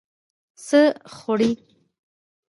څه خوړې؟